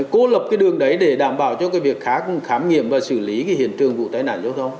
cô lập cái đường đấy để đảm bảo cho cái việc khác khám nghiệm và xử lý cái hiện trường vụ tai nạn giao thông